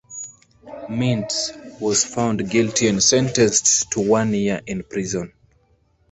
Mintz was found guilty and sentenced to one year in prison.